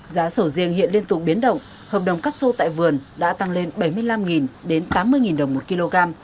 giá sầu riêng hiện liên tục biến động hợp đồng cắt xô tại vườn đã tăng lên bảy mươi năm đến tám mươi đồng một kg